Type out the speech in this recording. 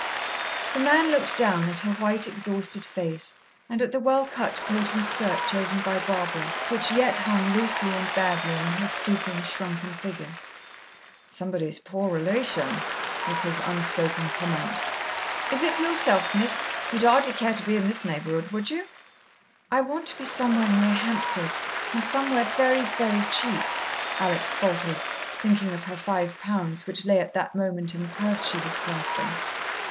The man looked down at her white, exhausted face, and at the well cut coat and skirt chosen by Barbara, which yet hung loosely and badly on her stooping, shrunken figure. "Somebody's poor relation," was his unspoken comment. "Is it for yourself, Miss? You'd hardly care to be in this neighbourhood, would you?" "I want to be somewhere near Hampstead and somewhere very, very cheap," Alex faltered, thinking of her five pounds, which lay at that moment in the purse she was clasping.